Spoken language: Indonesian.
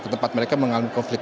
ketepat mereka mengalami konflik